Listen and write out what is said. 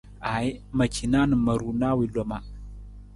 Aaji, ma cina na ma raala wi loma.